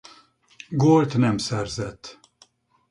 Gólt nem szerzett.